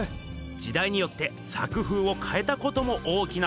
時代によって作風をかえたことも大きなとくちょうで。